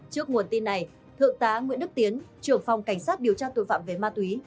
trước nguồn tin này thượng tá nguyễn đức tiến trưởng phòng cảnh sát điều tra tội phạm về ma túy